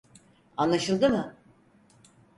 AnlaşıIdı mı?